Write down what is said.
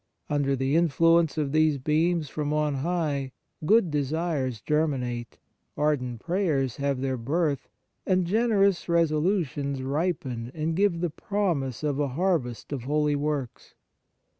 Under the influence of these beams from on high, good desires germinate, ardent prayers have their birth, and generous resolutions ripen and give the promise of a harvest of holy works.